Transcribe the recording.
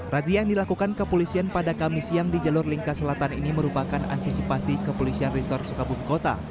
razia yang dilakukan kepolisian pada kamis siang di jalur lingka selatan ini merupakan antisipasi kepolisian resor sukabumi kota